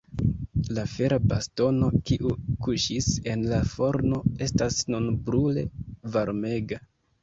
La fera bastono, kiu kuŝis en la forno, estas nun brule varmega.